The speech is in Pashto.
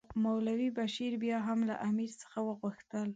مولوي بشیر بیا هم له امیر څخه وغوښتل.